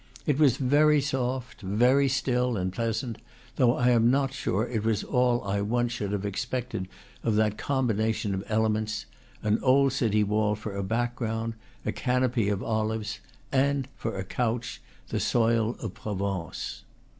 It was very soft, very still and pleasant, though I am not sure it was all I once should have expected of that combination of elements: an old city wall for a background, a canopy of olives, and, for a couch, the soil of Provence.